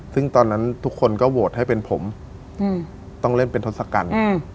ซึ่งตอนนั้นทุกคนก็โหวตให้เป็นผมต้องเล่นเป็นทศกัณฐ์